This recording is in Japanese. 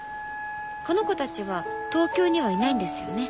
この子たちは東京にはいないんですよね？